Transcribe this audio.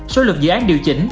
số lượng dự án điều chỉnh